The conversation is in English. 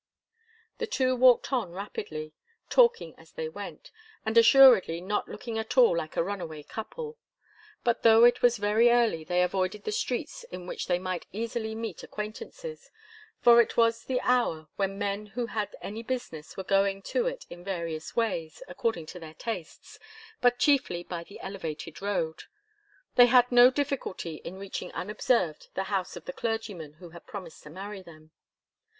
The two walked on rapidly, talking as they went, and assuredly not looking at all like a runaway couple. But though it was very early, they avoided the streets in which they might easily meet acquaintances, for it was the hour when men who had any business were going to it in various ways, according to their tastes, but chiefly by the elevated road. They had no difficulty in reaching unobserved the house of the clergyman who had promised to marry them.